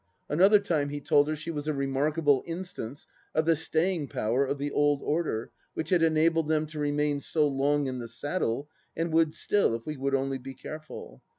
Another time he told her she was a remarkable instance of the staying power of the old order which had enabled them to remain so long in the saddle and would still if we would only be careful.